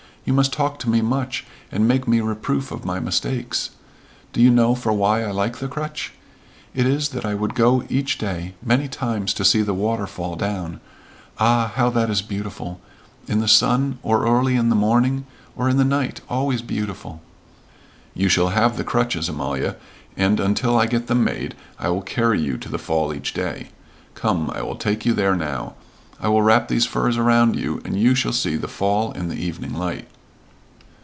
You must talk to me much, and make me reproof of my mistakes. Do you know for why I like the crutch? It is that I would go each day many times to see the water fall down. Ah, how that is beautiful! In the sun, or early in the morning, or in the night, always beautiful!" "You shall have the crutches, Amalia, and until I get them made, I will carry you to the fall each day. Come, I will take you there now. I will wrap these furs around you, and you shall see the fall in the evening light."